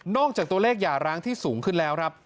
นอกจากตัวเลขหย่าร้างที่สูงขึ้นแล้ว